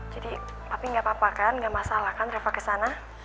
jadi papi gak papa kan gak masalah kan reva kesana